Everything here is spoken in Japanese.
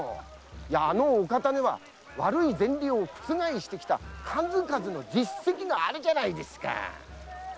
あの方には悪い前例を覆してきた数々の実績があるじゃないですか。